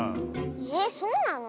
えっそうなの？